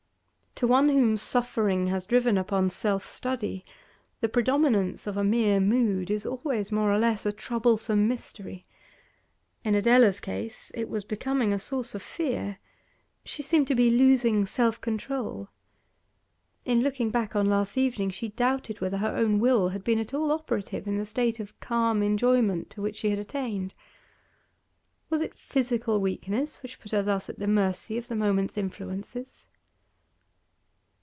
To one whom suffering has driven upon self study the predominance of a mere mood is always more or less a troublesome mystery; in Adela's case it was becoming a source of fear. She seemed to be losing self control; in looking back on last evening she doubted whether her own will had been at all operative in the state of calm enjoyment to which she had attained. Was it physical weakness which put her thus at the mercy of the moment's influences?